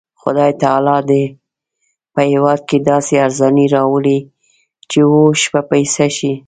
خدای تعالی دې په هېواد کې داسې ارزاني راولي چې اوښ په پیسه شي.